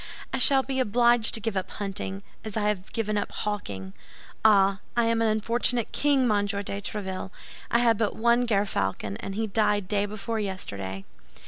I shall be obliged to give up hunting, as I have given up hawking. Ah, I am an unfortunate king, Monsieur de Tréville! I had but one gerfalcon, and he died day before yesterday."